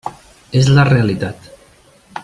És la realitat.